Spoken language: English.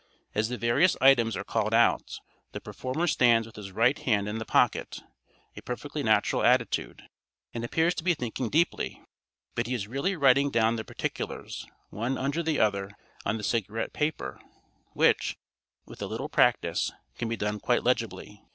As the various items are called out, the performer stands with his right hand in the pocket, a perfectly natural attitude, and appears to be thinking deeply; but he is really writing down the particulars, one under the other, on the cigarette paper, which, with a little practice, can be done quite legibly.